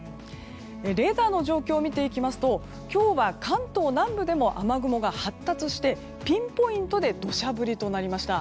レーダーの状況を見ていきますと今日は関東南部でも雨雲が発達してピンポイントで土砂降りとなりました。